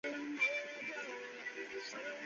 克罗顿的医师被认为是全希腊最好的。